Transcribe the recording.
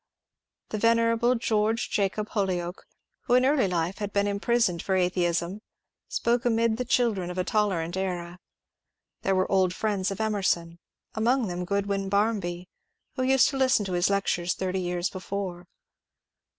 The venerable George Jacob Holyoake, who in early life had been imprisoned for atheism, spoke amid the children of a tolerant era. There were old friends of Emerson, among them Groodwyn Barmby, who used to listen to his lectures thirty years before.